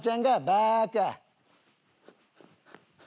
バーカ！